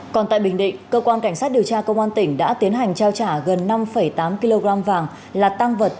còn tại bình định cơ quan cảnh sát điều tra công an tỉnh đã tiến hành trao trả gần năm tám kg vàng là tăng vật